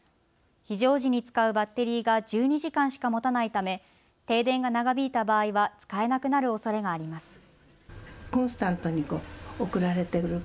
非常時に使うバッテリーが１２時間しかもたないため、停電が長引いた場合は使えなくなるおそれがあります。